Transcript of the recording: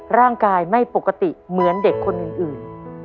ร่างกายไม่ปกติเหมือนเด็กคนอื่น